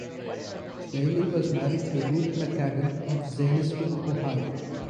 Bailey was married to Ruth McCaddon of Zanesville, Ohio.